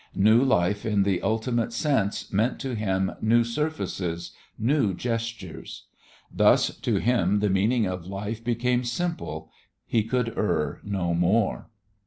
New life in the ultimate sense meant to him, new surfaces, new gestures. Thus to him the meaning of life became simple, he could err no more.